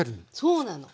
そうなの。